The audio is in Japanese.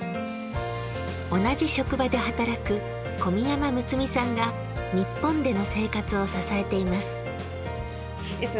同じ職場で働く込山睦さんが日本での生活を支えています。